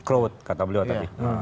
crowd kata beliau tadi